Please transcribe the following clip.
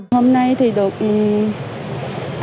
hôm nay thì đội